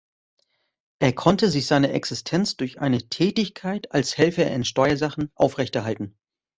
Er konnte sich seine Existenz durch eine Tätigkeit als Helfer in Steuersachen aufrechterhalten.